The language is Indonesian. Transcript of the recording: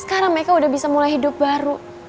sekarang mereka udah bisa mulai hidup baru